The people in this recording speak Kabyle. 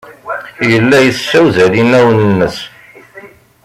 Yella yessewzal inawen-nnes.